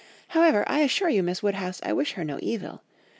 However, I assure you, Miss Woodhouse, I wish her no evil.